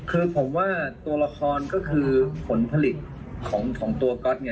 คือผมว่าตัวละครก็คือผลผลิตของตัวก๊อต